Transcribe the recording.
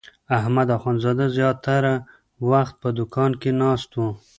احمد اخوندزاده زیاتره وخت په دوکان کې ناست و.